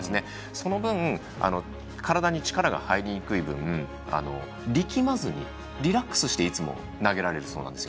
その分、体に力が入りにくい分力まずにリラックスしていつも投げられるそうなんです。